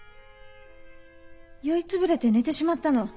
酔い潰れて寝てしまったの。